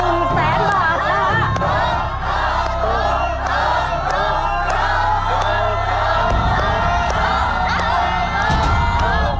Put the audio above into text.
แสนบาทนะครับ